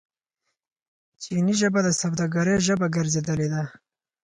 چیني ژبه د سوداګرۍ ژبه ګرځیدلې ده.